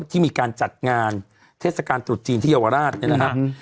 ที่มีการจัดงานเทศกาลตรุษจีนที่เยาวราชเนี่ยนะครับ